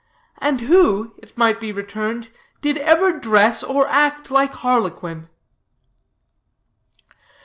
And who, it might be returned, did ever dress or act like harlequin?